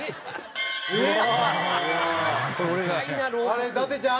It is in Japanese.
あれ伊達ちゃん？